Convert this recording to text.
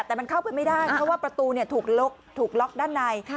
แต่มันเข้าไปไม่ได้เพราะว่าประตูถูกล็อกด้านใน